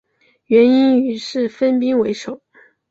元英于是分兵围守。